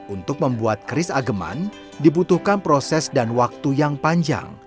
untuk membuat keris ageman dibutuhkan proses dan waktu yang panjang